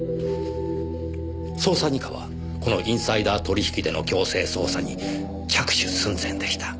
捜査二課はこのインサイダー取引での強制捜査に着手寸前でした。